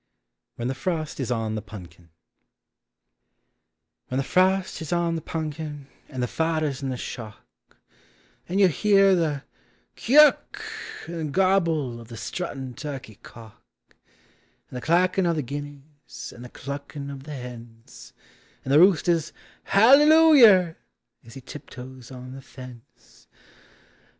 WHEN THE FROST IS ON THE PUNKIN. When the frost is on the punkin and the fodder 's in the shock, And vou hear the kvouck and gobble of the strut tin' turkey cock, And the clackin' of the guineys, and the cluckin' of the hens, And the rooster's hallylooyer as he tiptoes on the fence ; THE SEASONS.